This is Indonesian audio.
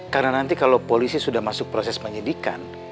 karena nanti kalo polisi sudah masuk proses menyidikan